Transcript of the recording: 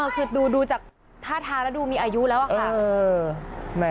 คือดูจากท่าทางแล้วดูมีอายุแล้วอะค่ะ